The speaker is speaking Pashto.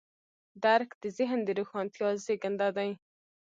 درک د ذهن د روښانتیا زېږنده دی.